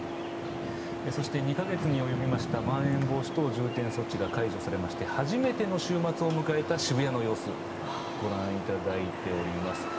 そして２か月に及びましたまん延防止等重点措置が解除されまして初めての週末を迎えた渋谷の様子ご覧いただいております。